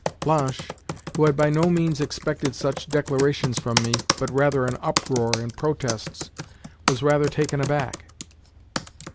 Blanche, who had by no means expected such declarations from me, but, rather, an uproar and protests, was rather taken aback.